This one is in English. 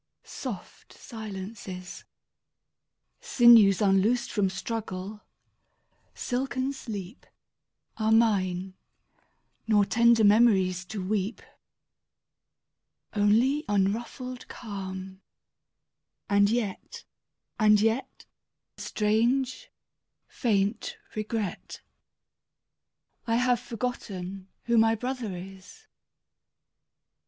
Soft silences, Sinews unloosed from struggle, silken sleep, 27 Are mine; nor tender memories to weep. Only unruffled calm; and yet — and yet — Strange, faint regret — I have forgotten who my brother is!